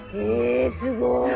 えすごい。